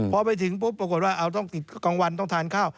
พอไปถึงปุ๊บปรากฏว่าต้องติดกลางวันต้องทานข้าว